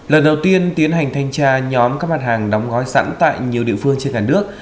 lần đầu tiên tiến hành thanh tra nhóm các mặt hàng đóng gói sẵn tại nhiều địa phương trên cả nước